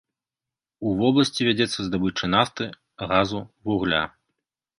У вобласці вядзецца здабыча нафты, газу, вугля.